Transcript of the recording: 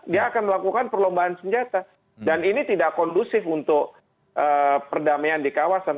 dia akan melakukan perlombaan senjata dan ini tidak kondusif untuk perdamaian di kawasan